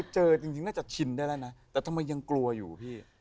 เจอจริงน่าจะชินได้แล้วนะแต่ทำไมยังกลัวอยู่พี่